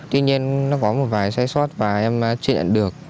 tuy nhiên nó có một vài sai sót và em chưa nhận được